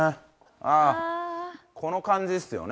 この感じですよね。